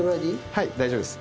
はい大丈夫です。